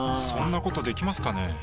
そんなことできますかね？